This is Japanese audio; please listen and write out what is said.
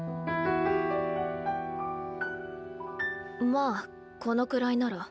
まあこのくらいなら。